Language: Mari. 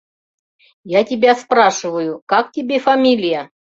— Я тебя спрашиваю, как тебе фамилия?